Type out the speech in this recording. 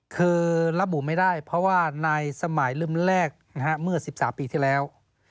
คือระบุไม่ได้เพราะว่าในสมัยเริ่มแรกเมื่อ๑๓ปีที่แล้ว